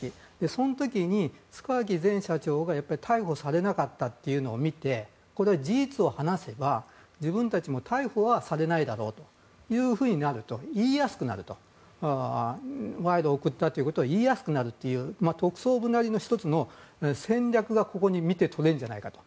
その時に塚脇前社長が逮捕されなかったというのを見て事実を話せば自分たちも逮捕はされないだろうとなると賄賂を贈ったということを言いやすくなるという特捜部なりの１つの戦略が見て取れるんじゃないかと。